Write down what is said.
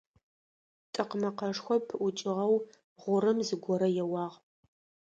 «ТӀыкъ» мэкъэшхо пыӀукӀэу гъурым зыгорэ еуагъ.